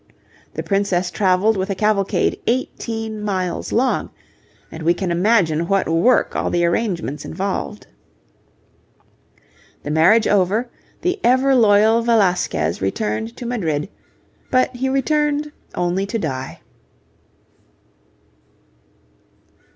The Princess travelled with a cavalcade eighteen miles long, and we can imagine what work all the arrangements involved. The marriage over, the ever loyal Velasquez returned to Madrid, but he returned only to die.